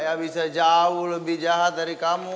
ya bisa jauh lebih jahat dari kamu